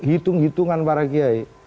hitung hitungan para kiai